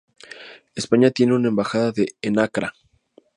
España tiene una embajada en Accra.